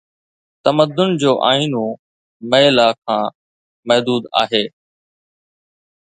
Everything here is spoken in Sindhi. تمدن جو آئينو مئي لا کان موجود آهي